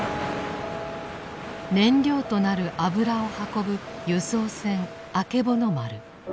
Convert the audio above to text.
燃料となる油を運ぶ油槽船「あけぼの丸」。